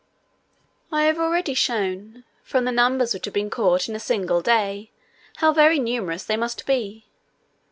I have already shown, from the numbers which have been caught in a single day, how very numerous they must be.